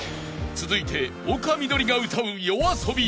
［続いて丘みどりが歌うＹＯＡＳＯＢＩ